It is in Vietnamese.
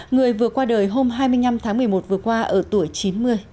người vừa qua đời hôm hai mươi năm tháng một mươi một vừa qua ở tuổi chín mươi